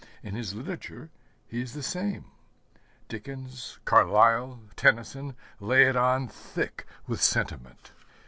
In his literature he is the same. Dickens, Carlyle, Tennyson lay it on thick with sentiment.